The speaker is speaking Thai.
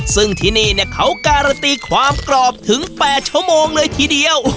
ซึ่งที่นี่เนี่ยเขาการันตีความกรอบถึง๘ชั่วโมงเลยทีเดียว